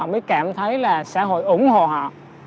chỉ cảm thấy là xã hội ủng hộ họ